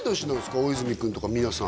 大泉君とか皆さん